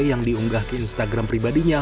yang diunggah ke instagram pribadinya